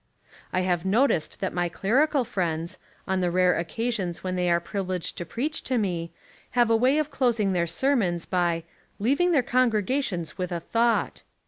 I have noticed that my clerical friends, on the rare occasions when they are privileged to preach to me, have a way of closing their ser mons by "leaving their congregations with a thought."